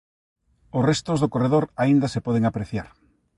Os restos do corredor aínda se poden apreciar.